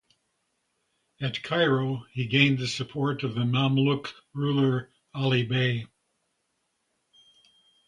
At Cairo he gained the support of the Mamluk ruler, Ali Bey.